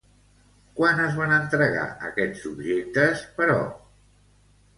Quan es van entregar aquests objectes, però?